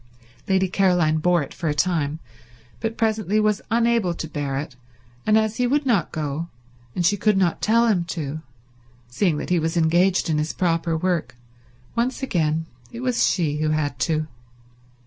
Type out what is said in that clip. Lady Caroline bore it for a time but presently was unable to bear it, and as he would not go, and she could not tell him to, seeing that he was engaged in his proper work, once again it was she who had to.